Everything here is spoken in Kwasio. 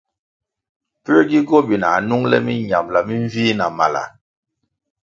Pue gi gobina ā nung le minambʼla minvih na mala?